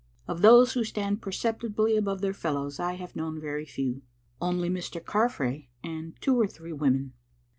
Of those who stand perceptibly above their fellows I have known very few ; only Mr. Carfrae and two or three women.